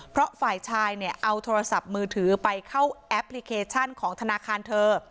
เพราะฝ่ายชายเนี่ยเอาโทรศัพท์มือถือไปเข้าแอปพลิเคชันของธนาคารเธอ